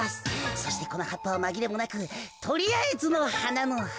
そしてこのはっぱはまぎれもなくとりあえずのはなのは。